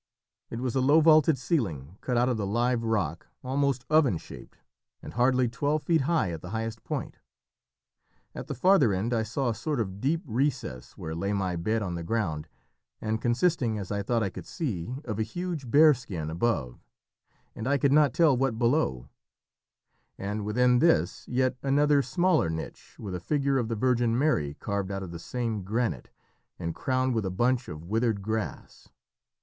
It was a low vaulted ceiling cut out of the live rock, almost oven shaped, and hardly twelve feet high at the highest point. At the farther end I saw a sort of deep recess where lay my bed on the ground, and consisting, as I thought I could see, of a huge bear skin above, and I could not tell what below, and within this yet another smaller niche with a figure of the Virgin Mary carved out of the same granite, and crowned with a bunch of withered grass.